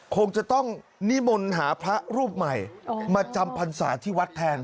คงจะต้องนิมนต์หาพระรูปใหม่มาจำพรรษาที่วัดแทน